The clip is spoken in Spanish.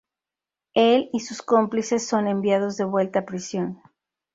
Él y sus cómplices son enviados devuelta a prisión.